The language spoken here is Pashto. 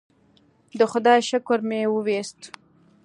د خدای شکر مې وویست.